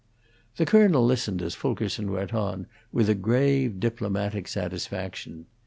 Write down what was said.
The colonel listened as Fulkerson went on, with a grave diplomatic satisfaction.